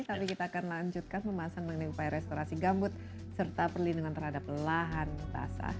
tapi kita akan lanjutkan pembahasan mengenai upaya restorasi gambut serta perlindungan terhadap lahan basah